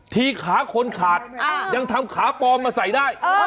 ขาคนขาดยังทำขาปลอมมาใส่ได้